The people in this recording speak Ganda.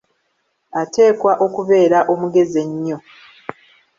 Ateekwa okubeera omugezi ennyo.